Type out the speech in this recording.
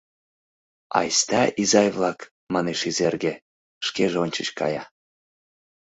— Айста, изай-влак, — манеш Изерге, шкеже ончыч кая.